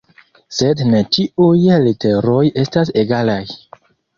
Sed ne ĉiuj literoj estas egalaj.